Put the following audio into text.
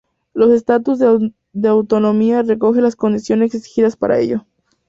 Los Estatutos de autonomía recogen las condiciones exigidas para ello.